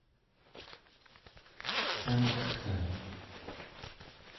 sanqeggan